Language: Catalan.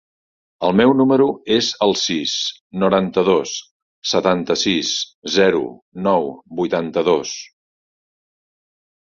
El meu número es el sis, noranta-dos, setanta-sis, zero, nou, vuitanta-dos.